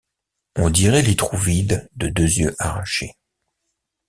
On dirait les trous vides de deux yeux arrachés.